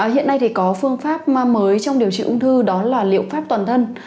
hiện nay thì có phương pháp mới trong điều trị ung thư đó là liệu pháp toàn thân